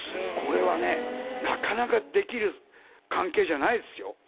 これはねなかなかできる関係じゃないですよ。